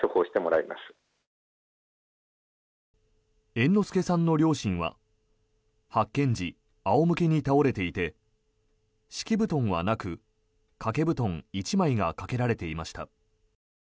猿之助さんの両親は発見時、仰向けに倒れていて敷布団はなく、掛け布団１枚がかけられていました。